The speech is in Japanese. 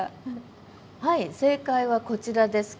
はい正解はこちらです。